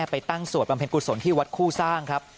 คุณแม่ไปตั้งสวดบำเพ็ญกรุษฎร์ที่วัดคู่สร้างครับ